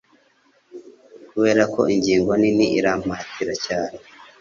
kuberako ingingo nini irampatira cyane